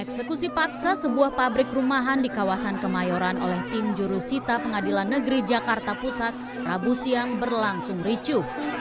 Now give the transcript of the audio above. eksekusi paksa sebuah pabrik rumahan di kawasan kemayoran oleh tim jurusita pengadilan negeri jakarta pusat rabu siang berlangsung ricuh